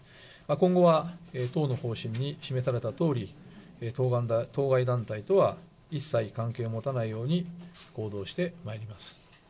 今後は党の方針に示されたとおり、当該団体とは一切関係を持たないように行動してまいります。